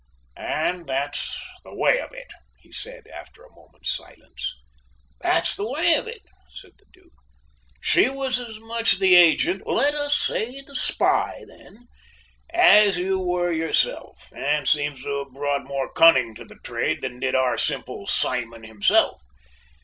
"And that's the way of it?" he said, after a moment's silence. "That's the way of it," said the Duke. "She was as much the agent let us say the spy, then as you were yourself, and seems to have brought more cunning to the trade than did our simple Simon himself.